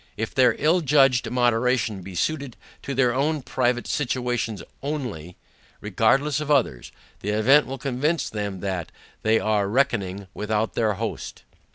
If their ill judged moderation be suited to their own private situations ONLY, regardless of others, the event will convince them, that "they are reckoning without their Host."